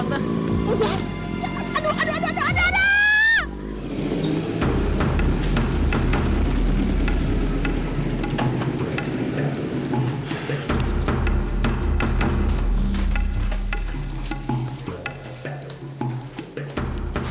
aduh aduh aduh aduh aduh aduh